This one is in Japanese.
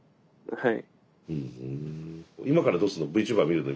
はい。